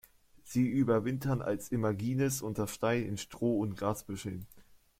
Sie überwintern als Imagines unter Steinen, in Stroh und Grasbüscheln.